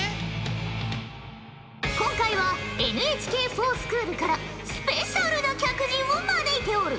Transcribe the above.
今回は「ＮＨＫｆｏｒＳｃｈｏｏｌ」からスペシャルな客人を招いておる！